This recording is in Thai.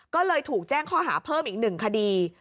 ก็เลยถูกแจ้งข้อหาเพิ่มอีก๑คดี